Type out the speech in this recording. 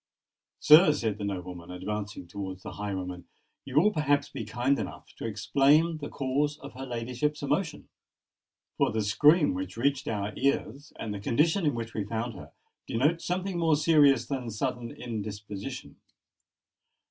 "Sir," said the nobleman, advancing towards the highwayman, "you will perhaps be kind enough to explain the cause of her ladyship's emotion?—for the scream which reached our ears, and the condition in which we found her, denote something more serious than sudden indisposition.